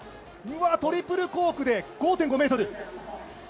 トリプルコークで５．５ｍ。